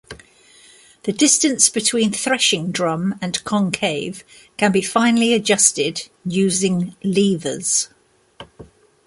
The distance between threshing drum and concave can be finely adjusted using levers.